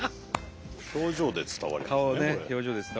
表情で伝わりますねこれ。